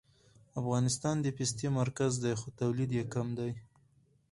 افغانستان د پستې مرکز دی خو تولید یې کم دی